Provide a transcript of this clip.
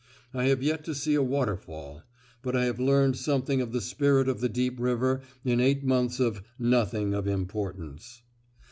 I have yet to see a waterfall; but I have learned something of the spirit of the deep river in eight months of "nothing of importance."